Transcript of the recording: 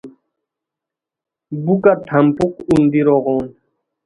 بُکہ تھمپوق اوندئیرو غون